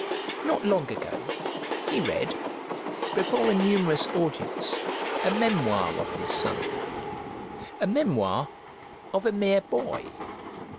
Not long ago he read, before a numerous audience, a memoir of his son: a memoir of a mere boy!